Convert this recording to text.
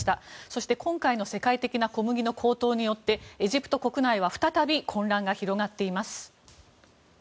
そして今回の世界的な小麦の高騰によってエジプト国内は再び混乱が広がっています。